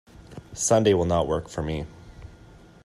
Sunday will not work for me.